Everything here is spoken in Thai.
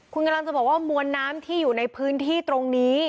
คุณกำลังจะบอกว่ามวลน้ำที่อยู่ในพื้นที่ตรงนี้